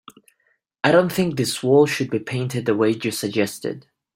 I don't think this wall should be painted the way you suggested.